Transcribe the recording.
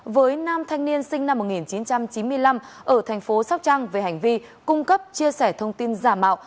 với nam thanh niên sinh năm một nghìn chín trăm chín mươi năm ở thành phố sóc trăng về hành vi cung cấp chia sẻ thông tin giả mạo